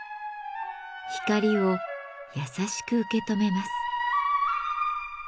光を優しく受け止めます。